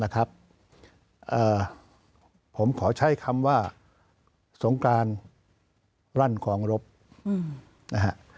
นะครับเอ่อผมขอใช้คำว่าสงการรั่นคองรบอืมนะฮะ